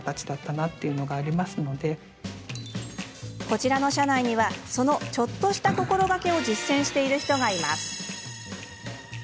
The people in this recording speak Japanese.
こちらの社内にはそのちょっとした心がけを実践している人がいます。